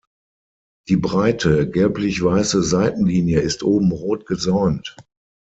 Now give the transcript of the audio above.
Die breite, gelblichweiße Seitenlinie ist oben rot gesäumt.